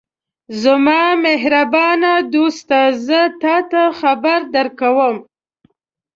زما مهربانه دوسته! زه تاته خبر درکوم.